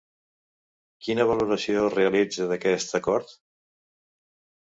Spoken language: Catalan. Quina valoració realitza d’aquest acord?